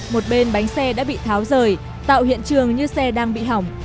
một bên bánh xe đã bị tháo rời tạo hiện trường như xe đang bị hỏng